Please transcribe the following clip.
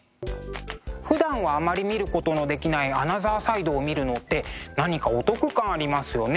ふだんはあまり見ることのできないアナザーサイドを見るのって何かお得感ありますよね。